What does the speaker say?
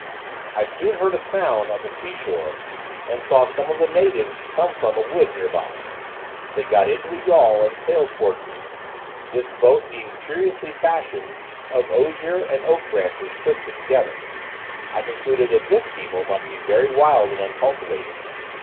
I soon heard a sound on the seashore, and saw some of the natives come from a wood near by; they got into a yawl and sailed towards me; this boat being curiously fashioned of ozier and oak branches twisted together, I concluded that this people must be very wild and uncultivated.